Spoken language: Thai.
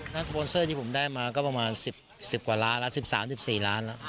นักโฟนเซอร์ที่ผมได้มาก็ประมาณสิบสิบกว่าล้านละสิบสามสิบสี่ล้านละครับผม